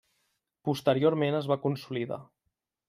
Posteriorment es va consolidar.